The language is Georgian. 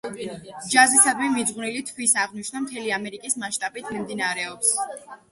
ჯაზისადმი მიძღვნილი თვის აღნიშვნა მთელი ამერიკის მაშტაბით მიმდინარეობს.